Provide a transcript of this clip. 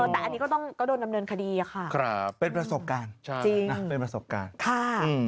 แต่อันนี้ก็โดนดำเนินคดีอะค่ะเป็นประสบการณ์ใช่มั้ยเป็นประสบการณ์